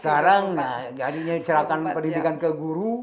sekarang jadinya serahkan pendidikan ke guru